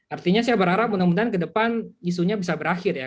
artinya saya berharap mudah mudahan ke depan isunya bisa berakhir ya